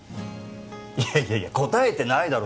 いやいやいや答えてないだろ